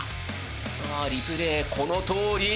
さあリプレイこのとおり！